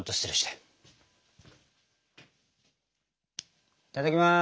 いただきます！